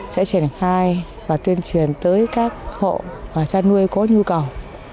sẽ triển khai và tuyên truyền tới các hộ chăn nuôi có nhu cầu